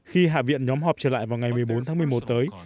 khi hạ viện nhóm họp trở lại vào ngày một mươi bốn tháng một mươi một tới